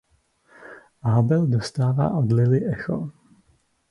Abel dostává od Lily echo.